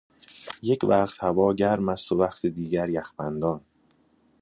یک وقت هوا گرم است و وقت دیگر یخبندان.